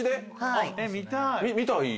見たい！